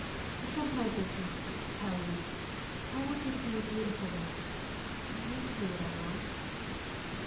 It's none of my business I tell you. I want you to be a beautiful woman. You see what I want."